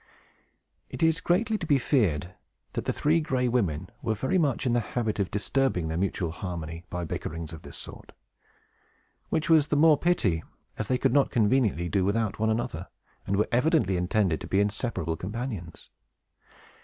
It is greatly to be feared that the Three Gray Women were very much in the habit of disturbing their mutual harmony by bickerings of this sort; which was the more pity, as they could not conveniently do without one another, and were evidently intended to be inseparable companions.